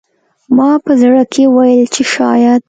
ما په زړه کې وویل چې شاید